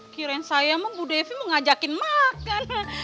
kirain saya mah bu devi mau ngajakin makan